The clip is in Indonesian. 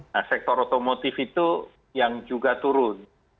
nah sektor otomotif itu yang juga turun